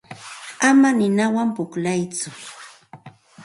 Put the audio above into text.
Ama ninawan pukllatsu.